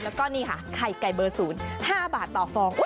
แล้วก็นี่ค่ะไข่ไก่เบอร์๐๕บาทต่อฟอง